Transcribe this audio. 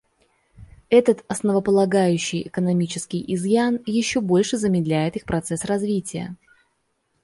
Этот основополагающий экономический изъян еще больше замедляет их процесс развития.